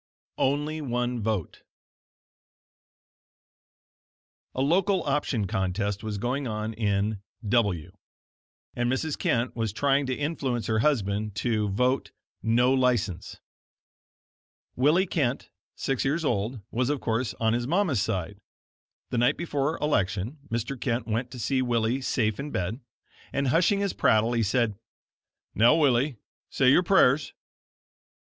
ONLY ONE VOTE A local option contest was going on in W , and Mrs. Kent was trying to influence her husband to vote "No License." Willie Kent, six years old, was, of course on his mamma's side. The night before election Mr. Kent went to see Willie safe in bed, and hushing his prattle, he said: "Now, Willie, say your prayers."